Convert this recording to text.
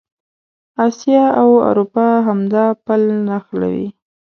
اسیا او اروپا همدا پل نښلوي.